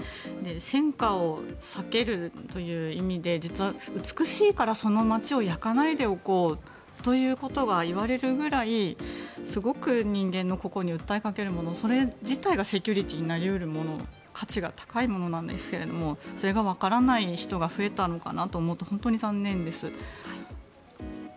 戦火を避けるという意味で実は美しいから、その街を焼かないでおこうということが言われるくらいすごく人間の心に訴えかけるものそれ自体がセキュリティーになり得るもの価値が高いものなんですけれどそれがわからない人が増えたのかなと思うと本当に残念です。